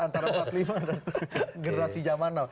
antara empat puluh lima dan generasi zaman now